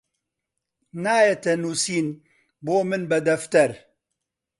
نایەتە نووسین بۆ من بە دەفتەر